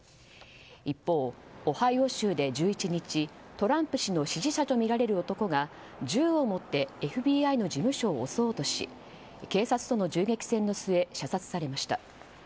一方、オハイオ州で１１日トランプ氏の支持者とみられる男が銃を持ってＦＢＩの事務所を襲おうとし警察との銃撃戦の末射殺されました。